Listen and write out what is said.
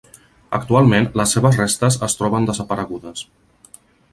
Actualment les seves restes es troben desaparegudes.